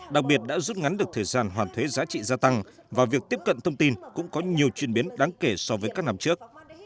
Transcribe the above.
đặc biệt đã rút ngắn được thời gian hoàn thuế giá trị gia tăng và việc tiếp cận thông tin cũng có nhiều chuyển biến đáng kể so với các năm trước